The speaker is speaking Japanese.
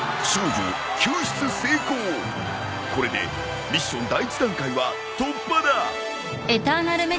これでミッション第一段階は突破だ！